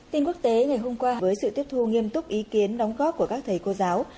tin quốc tế ngày hôm qua với sự tiếp thu nghiêm túc ý kiến đóng góp của các thầy cô giáo